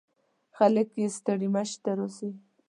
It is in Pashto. خلک یې ستړي مشي ته راځي.